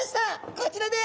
こちらです。